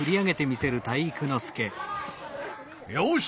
よし！